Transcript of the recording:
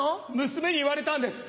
娘に言われたんです。